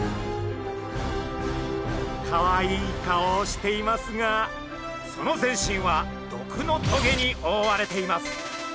かわいい顔をしていますがその全身は毒の棘におおわれています。